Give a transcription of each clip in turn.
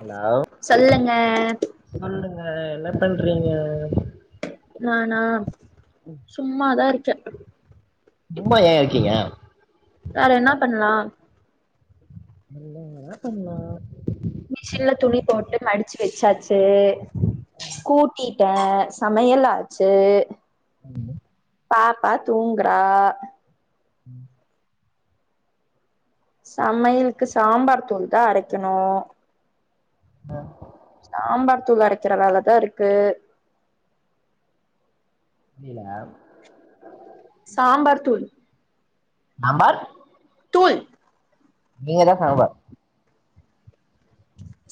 Hello சொல்லுங்க சொல்லுங்க என்ன பண்றீங்க நானா சும்மாதா இர்க்கே சும்மா ஏ இருக்கீங்க வேற என்னா பண்லா என்ன வேணா பண்லா மிஷின்ல துணி போட்டு மடுச்சி வெச்சாச்சு கூட்டி டே சமையல் ஆச்சு [inaudible] பாப்பா தூங்றா ம் சம்மையலுக்கு சாம்பார் தூள் தா அரக்கணு அ சாம்பார் தூள் அரக்கிற வேலதா இருக்கு ஈல சாம்பார் தூள் ஆம்பார் தூள் நீங்கதா சாம்பா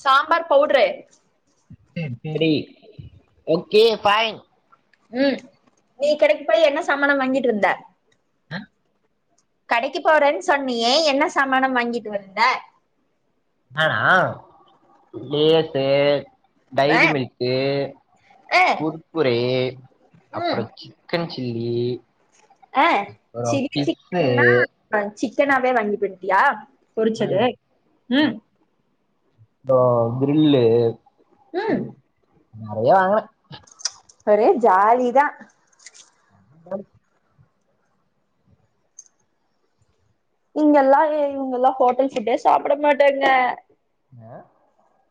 சாம்பார் பவுட்ரு சேர் சேரி ஓகே ஃபைன் ம் நீ கடைக் போய் என்ன சாமான வாங்கிட் வந்த [inaudible] கடக்கி போறேனு சொன்னியே என்ன சாமான வாங்கிட் வந்த அ ஆ லேஸு அ டைரி மில்க்கு அ குர்க்குரே அப்புற ம் சிக்கன் சில்லி அப்புற பிஸ்சு அத் சிக்கனாவே வாங்கிட் வந்ட்டியா ம் பொரிச்சது ம் ப்றோ கிரில்லு ம் நறைய வாங்குன ஒரே ஜாலிதா பாலு இங்க எல்லா இ இவுங்க எல்லா ஹோட்டல் ஃபுட்டே சாப்ட மாட்டாங்க ஞ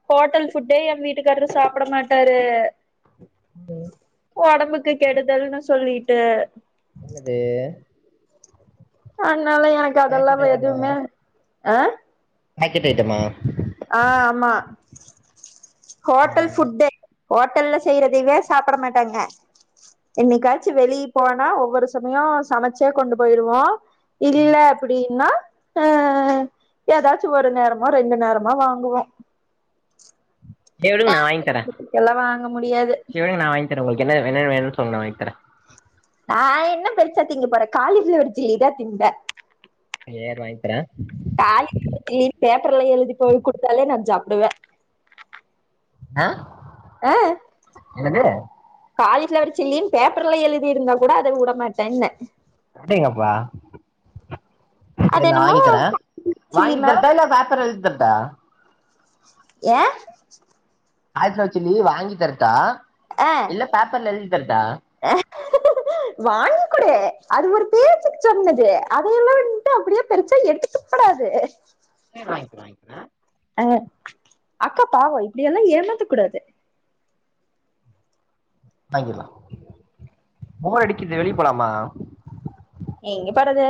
ஹோட்டல் ஃபுட்டே எ வீட்டுக்காரரு சாப்ட மாட்டாரு ம் ப ஒடம்புக்கு கொடுதல் ன்னு சொல்லிட்டு அது அதனால எனக்கு அது பேக்கெட் எல்லாம எதுவுமே அ பாக்கெட்டு ஐட்டமா ஆ ஆமா ஹோட்டல் ஆ ஃபுட்டே ஹோட்டல்ல செய்றதவே சாப்ட மாட்டாங்க என்னைக்காச்சு வெளி போனா ஒவ்வொரு சமயோ சமச்சே கொண்டு போயிருவோ இல்ல சரி அப்டினா ஆ எதாச்சு ஒரு நேரமா ரெண்டு நேரமா வாங்குவோ கேளுங்க நா வாங்கி தரே எல்லா வாங்க முடியாது கேளுங்க நா வாங்கி தரே உங்களுக்கு என்ன என்னென்ன வேணுனு சொல்லுங்க நா வாங்கி தரே நா என்ன பெருச்சா திங்க போறே காலி ஃபிளவர் சில்லி தா திம்பே ஏன் அது வாங்கிதரே காலி ஃபிளவர் சில்லினு பேப்பர்ல்ல எழுதி போயி குடுத்தாலே நா சாப்பிடுவே அ அ காலிஃபிளவர் சில்லின்னு பேப்பர்ல எழுதிருந்தா கூட அத வுடமாட்டேனே அடேங்கப்பா சேரி அது நா என்னமோ வாங்கி தரே சில்லி வாங்கி மேல தரட்டா இல்ல பேப்பர்ல எழுதி தரட்டா ஏ காலிஃபிளவர் சில்லி வாங்கி தரட்டா இல்ல பேப்பர்ல எழுதி தரட்டா ஆஹ வாங்கி குடு அது ஒரு பேச்சுக்கு சொன்னது அதயே எல்லா வந்ட்டு அப்டியே பெருச்சா எடுத்துக் கூடாது சேரி வாங் வாங் லா அ அக்கா பாவோ இப்டி எல்லா ஏமாத்தா கூடாது வாங்கிற்லா போர் அடிக்குது வெளிய போலாமா எங்கே போறது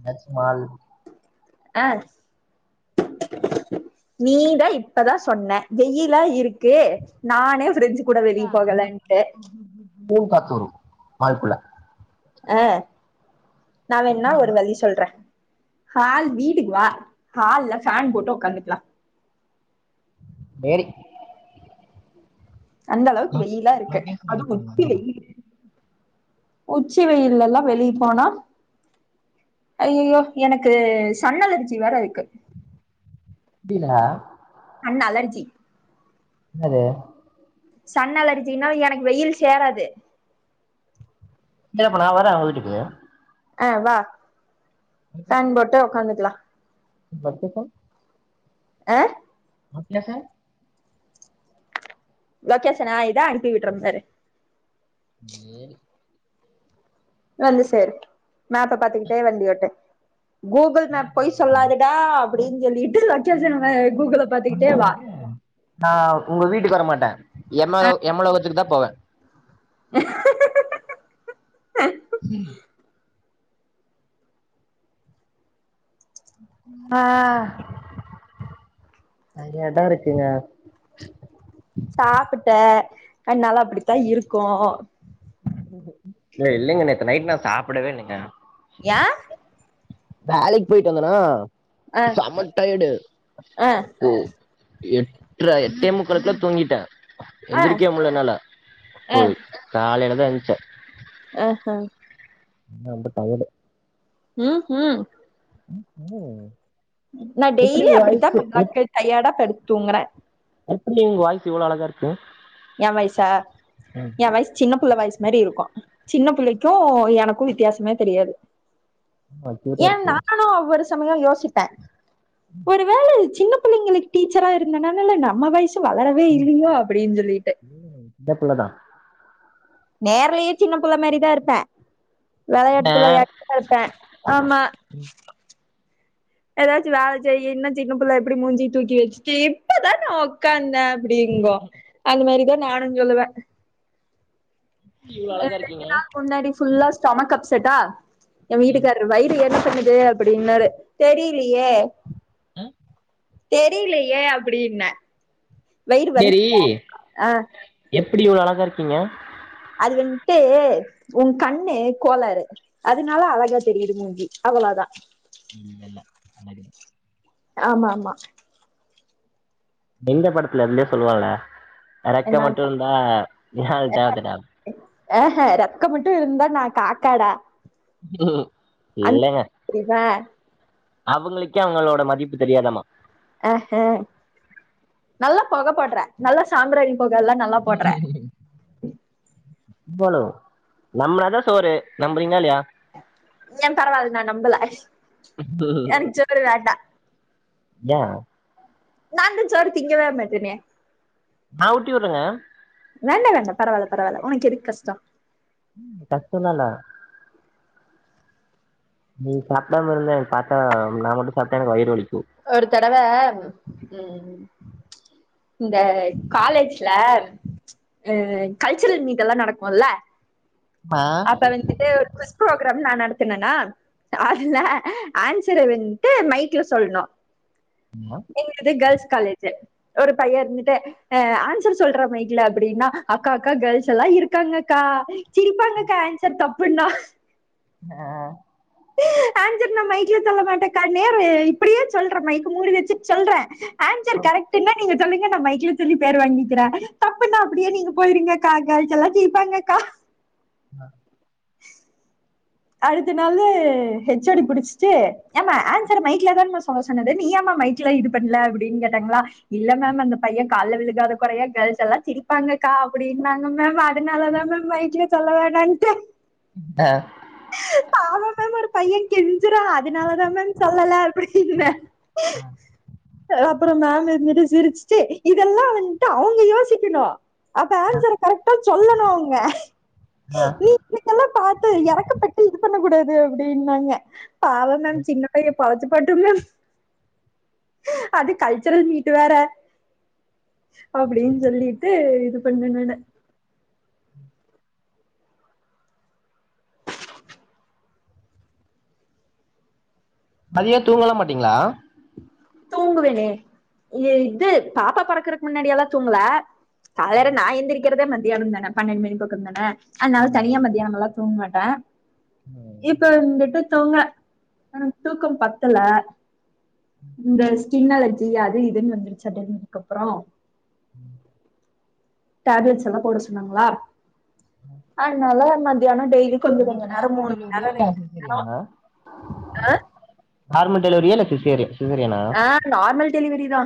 எதாச்சு மால் அ [inaudible] நீதா இப்பதா சொன்ன வெயிலா இருக்கு நானே ஃபிரிட்ஜ் ஃபோன் காத்து வரு மாடிக்குள்ள அ நா வேனா ஒரு வழி சொல்றே ஹால் வீட்டுக்கு வா ஹால்ல ஃபேன் போட்டு ஒக்காந்துகலா பேடி அந்த அளவுக்கு வெயிலா இருக்கு லொகேஷன் அதுவு அனுப்பி விடுங்க உச்சி வந்துர்றே வெயிலு உச்சி வெயில்ல ல்லா வெளி போனா அய்யயோ எனக்கு சன் அலர்ஜி வேற இருக்கு புரியல டா அண் அலர்ஜி ன்னாது சன் அலர்ச்ஜின்னா எனக்கு வெய்யில் சேராது எங்கடா போலா அவெ வரே ஓ வீட்டுக்கு ஆ வா ஃபோன் போட்டு உக்காந்துக்காலம் பத்தே கால் ஆஹ் அப்டிய சார் லொக்கேஷனா இதெ அனூப்பி விட்றோ பாரு ஏண்டி வந்து சேரு மேப்ப பாத்துக்கிட்டே வண்டி ஓட்டு கூகுள் வேல மேப் பொய் பாக்க போலா சொல்லாதுடா அப்படின் சொல்லிட்டு வேல லொக்கேஷன் கூகுள பாத்துக்கிட்டே வா ஆ உங்க வீட்டுக்கு வரமாட்டே எமலோ எமலோகத்துக்கு தா போவே ஆ எடோ இருக்குங்க சாப்பிட்டே அத்னால அப்படித்தா இருக்கோ ஏ இல்லைங்க நேத்து நைட் நா சாப்பிடவே இல்லைங்க யா வேலைக்கு போயிட்டு வந்தனா ஆ செம டையர்டு ஆ எட்ரா எட்டே முக்காலுக்கலா தூங்கிட்டே ஆ எந்திரிக்கவே முடியல என்னால ஆ ம் காலைல தா எந்திரிச்சே அ ஹாங் ரோம்ப டயர்ட் ம் ம் ம் ஓ நா டெய்லி அப்படித்தா மல்லாக்கா டையேடா படுத்தூங்கறே எப்படி உங்க வாய்ஸ் இவ்ளோ அழகா இருக்கு ஏ வாய்ஸா ம் ஏ வாய்ஸ் சின்ன புள்ள வாய்ஸ்மாரி இருக்கோ சின்ன புள்ளைக்கூ எனக்கூ வித்தியாசமே தெரியாது ஆமா க்யூட்டா ஏ இருக்கு நானோ ஒருஸ் சமயோ யோசிப்பே ஒரு வேள சின்ன பிள்ளைங்களுக்கு டீச்சரா இருந்தனால நம்ம வாய்ஸ் வளரவே இல்லியோ அப்படின் சொல்லி இல்லிங்க சின்ன புள்ள தா நேர்லயூ சின்ன புள்ளமேரி தா இருப்பே வெளையாட்டு ஆ புள்ளயாட் அது ஃப்பே ஆமா ஏதாச்சூ வேல செய்யீன்னா சின்ன புள்ள எப்டி மூஞ்சி தூக்கி வெச்சுட்டு இப்பதானா உக்காந்தே அப்டிங்கோ அந்த மேரிதா நானூ சொல்லுவே இவ்ளோ அழகா இருக்கீங்க ரெண்டு நாள் முன்னாடி ஃபுல்லா ஸ்டொமக் அப்செட்டா என் ஆ வீட்டுக்காரு வயிறு என்ன பண்ணுது அப்படின்னாரு தெரியலியே ஹாங் தெரியலியே அப்டின்னே சேரி ஆ எப்படி இவ்ளோ அழகா இருக்கீங்க அது வந்ட்டு உன் கண்ணு கோளாறு அதனால அழகா தெரியுது மூஞ்சி அவ்ளோ தா ம் இல்ல [inaudible] ஆமாம்மா எங்க படத்துல விவேக் சொல்லுவங்கல இறக்க என்ன மட்டும் இருந்தா [unintelligible] ஹே ஹ இறக்க மட்டு இருந்தா நா காக்காடா [inaudible] இல்லங்க சேரி பா அவுங்களுக்கே அவுங்களோட மதிப் தெரியாதாம்மா ஆ ஆ நல்லா புகப்போட்ற நல்லா சாம்ப்ராணி [inaudible] ணு நம்பனாதா சோறு நம்புறீங்களா இல்லையா ஏ பரவால்ல நா நம்பல எனக்கு ஜோறு வேண்டா யா நா தா சோறு திங்கவே மாட்டனே நா ஊட்டி வுட்றேங்க வேண்டா வேண்டா பரவால்ல பரவால்ல உனக்கு எதுக்கு கஷ்டம் ஆ டக்குனல நீ சாப்டாம இருந்தா எனக் பாத்தா நா மட்டு சாப்ட்டா எனக்கு வயிறு வலிக்கு ஒரு தடவ ம் இந்த காலேஜ்ல அ கல்ச்சுரல் மீட் எல்லா நடக்குல்ல ஆ அப்ப வந்துட்டு ப்ரோக்ராம் நா நடத்தனேனா அதுல ஆன்சர வன்ட்டு மைக்ல சொல்னு எங்கிள்து கேர்ள்ஸ் காலேஜ்ஜு ஒரு பைய இருந்துட்டு ஆ ஆன்சர் சொல்ற மைக்ல அப்டினா அக்கா அக்கா கேர்ள்ஸ் எல்லா இருக்காங்க அக்கா சீப்பா நென அ ஆன்சர் தப்புன்னா அ அ ஆஞ்சர் நா மைக்ல சொல்ல மாட்டேக்க நேரு இப்டியே சொல்றே மைக்கு மூடி வெச்சுட் சொல்றே ஆன்சர் கரெக்ட்டுனா நீங்க சொல்லுங்க நா மைக்கல சொல்லி பேர் வாங்கிக்கிறே தப்புன்னா அப்டியே நீங்க போயிருங்கக்கா கேர்ள்ஸ் எல்லா சிரிப்பாங்கக்கா அ அடுத்த நாளு ஹெ ச் ஓ டி புடிச்சிட்டு யாமா ஆன்சர மைக்லதான்மா சொல்ல சொ சொன்னது நீயாமா மைக்ல இது பண்ல அப்டின் கேட்டாங்களா இல்ல மேம் அந்த பைய கால்ல விழுகாத கொறையா கேர்ள்ஸ் எல்லா சிரிப்பாங்கக்கா அப்டின்னாங்க மேம் அத் அதனாலதா மேம் மைக்கிலயே சொல்ல வேனான்டே ஆ பாவம் மேம் ஒரு பைய கெஞ்சுரா அதனாலதா மேம் சொல்லல அப்டின்ன ஆ அப்புறோ மேம் இருதுட்டு சிரிச்ட்டு இதெல்லா வன்ட்டு அவுங்க யோசிக்குணு அப்ப ஆனசர கரெக்டா சொல்லணு அவுங்க ஆ நீங்க்கெல்லா பாத்து எறக்க பட்டு் இது பண்ண கூடாது அப்டின்னாங்க பாவம் மேம் சின்ன பைய பெழச்சுபோட்டும் மேம் அது கல்ச்சுரல் மீட் வேற அப்டின் சொல்லிட்டு இது பண்ண நான [unintelligible] யே தூங்கல்லா மாட்டீங்ளா தூங்குவனே எ இது பாப்பா பொறக்குறக் முன்னாடியெல்லா தூங்கல காலர நா எந்திரிக்கிறதே மத்தியானே தானே பன்னெண்டு மணி பக்கம் தானே அந்னால தனியா மத்தியானோல்லா தூங் மாட்டே இப்ப வந்துட்டு தூங்க அ தூக்கோ பத்தல இந்த ஸ்கின் அலர்ஜி அது இதுன்னு வந்துருச்சுட்டாந் கீது அதுக்கு அப்புறோ ம் டேப்லட்ஸ் எல்லா போட சொன்னாங்களா அந்னால மத்தியானோ டெய்லி கொஞ்ச கொஞ்ச உங்களுக்கு நேரோ நார்மல் மூணு மண் டெலிவரியா இல்ல சிசேரியண்ணா ஆ நார்மல் டெலிவரியா இல்ல சிசே சிசேரியனா ஆ நார்மல் டெலிவரி தா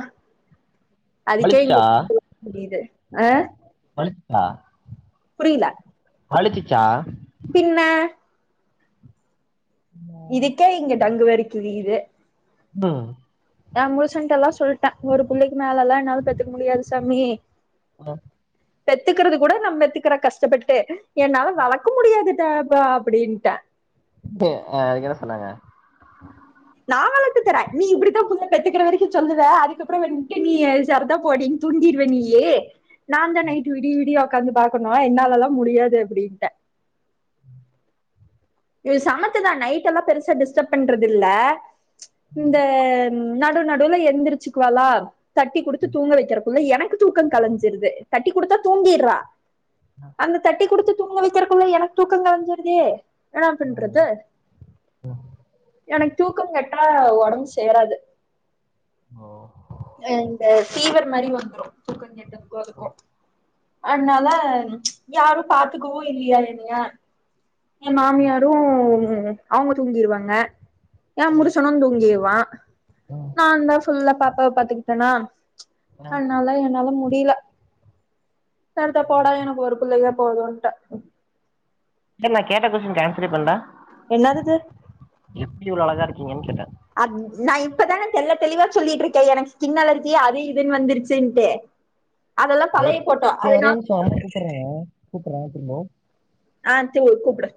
அதுக்கே வலிச்சுச்சா இஙகே போ முடியுது ஆ பல்ஸ் ஸா புரில்ல வளிச்சிச்சா பின்ன மோ இதுக்கே இங்க டங்கு வாரு கிழியுது அஹ் ஏ புருசன்ட ல்லா சொல்லிட்டே ஒரு புள்ளைக்கு மேல ல்லாம் என்னால பெத்துக்க முடியாது சாமி ஆ பெத்துகிறது கூட நா பெத்துக்கிறோ கஷ்டப்பட்டு என்னால வளக்க முடியாது டா எப்பா அப்டின்டோ க்கு அதுக் என்னா சொன்னாங்க நா வளர்த்து தரே நீ இப்டித்தா புள்ள பெத்துக்கிற வரைக்கூ சொல்லுவ அதுக்கப்புறோ வொண்டூ நீ சரிதா போடிங் தூக்கிடுவ நீ நா தா நைட் விடி விடிய உக்காந்து பாக்கணோ என்னாலெல்லா முடியாது அப்டின்ட்டோ இவ சமத்துதா நைடெல்லா பெருசா டிஸ்டர்ப் பண்றது இல்ல இந்த நடு நடுவூல எந்திரிச்சுக்குவாலா தட்டி குடுத்து தூங்க வெக்கறத் எனக்கு தூக்கம் கலைஞ்சிருது தட்டி குடுத்தா தூங்கிறா அந்த தட்டி குடுத்து தூங்க வைக்கிறக்குள்ள எனக்கு தூக்கோ கலைஞ்சிருதோ என்னா பன்றது ம், எனக் தூக்கம் கெட்டா ஒடம்பு சேராது ஓ ஒ இந்த ஃபீவர் மாரி வந்துரூ தூக்கம் கெட்டு போறத்துக்கூ அந்னால யாரூ பாத்துக்கவூ இல்லியா என்னிய்யா என் மாமியாரூ அவங்க தூங்கிருவாங்க ஏ புருசணூ தூங்கிடுவா ம், நா தா ஃபுல்லா பாப்பாவ பாத்துக்கிட்டேனா ஆ. அன்னால என்னால முடில சர்தா போடா எனக்கு ஒரு புள்ளேயே போதுன்ட்டே செர் நா கேட்ட கொஸ்ஸினுக்கு ஆன்சரே பண்ல என்னாதித்து எப்டி இவ்ளோ அழகா இருக்கீங்கன் கேட்டோ அத் நா இப்பதான தெள்ளத் தெளிவா சொல்லிட்ருக்கே எனக்கு ஸ்கின் அலர்ஜி அது இதுன்னு வந்துருச்சுன்ட்டு அதெல்லா கேட்டேன் பழைய ஃபோட்டோ அதுனா கூப்பரோ வெச்சிருங்கோ ஆ தூவ்வூ கூப்பிடு